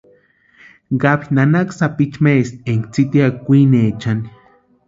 Gaby nanaka sapichu maesti énka tsitiakʼa kwiniechani.